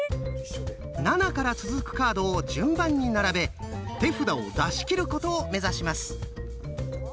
７から続くカードを順番に並べ手札を出し切ることを目指します。